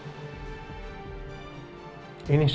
kok sedang dibahu